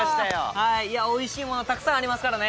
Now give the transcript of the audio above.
いやおいしいものたくさんありますからね！